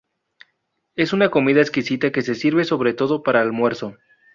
Es una comida exquisita que se sirve sobre todo para almuerzo.